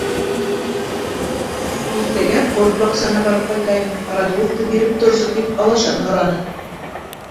Иртәгә ҡорт баҡсаһына барып ҡайтайым, Радуловты биреп торсо, тип алашаны һораны.